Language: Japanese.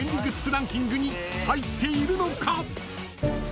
ランキングに入っているのか？］